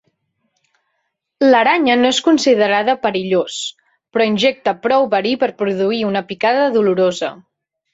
L'aranya no és considerada perillós, però injecta prou verí per produir una picada dolorosa.